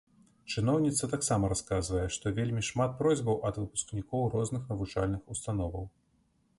Чыноўніца таксама расказвае, што вельмі шмат просьбаў ад выпускнікоў розных навучальных установаў.